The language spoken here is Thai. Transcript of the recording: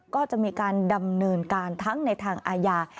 ก็จะมีการดำเนินการทั้งในทางอาญา